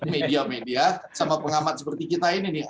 media media sama pengamat seperti kita ini nih